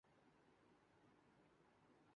میں مایوسی اور بے یقینی نہیں ہوتی